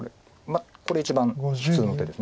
これ一番普通の手です。